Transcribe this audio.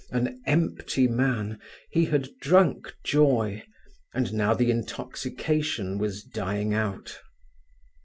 An empty man, he had drunk joy, and now the intoxication was dying out.